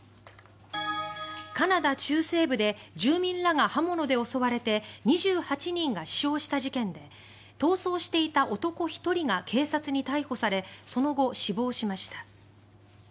カナダ中西部で住民らが刃物で襲われて２８人が死傷した事件で逃走していた男１人が警察に逮捕されその後、死亡しました。